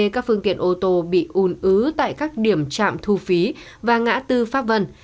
các phương tiện ô tô bị ùn ứ tại các điểm trạm thu phí và ngã tư pháp vân